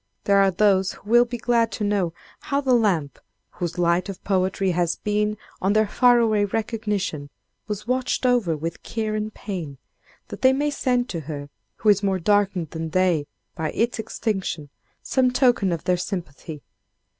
There are those who will be glad to know how the lamp, whose light of poetry has beamed on their far away recognition, was watched over with care and pain, that they may send to her, who is more darkened than they by its extinction, some token of their sympathy.